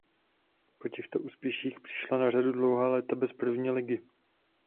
Po těchto úspěších přišla na řadu dlouhá léta bez první ligy.